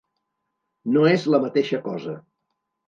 No és la mateixa cosa.